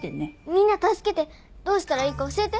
みんな助けてどうしたらいいか教えて。